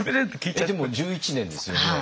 えっでも１１年ですよね。